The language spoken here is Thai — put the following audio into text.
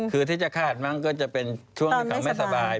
คือที่จะขาดมั้งก็จะเป็นช่วงที่เขาไม่สบาย